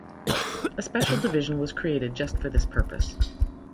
A special division was created just for this purpose.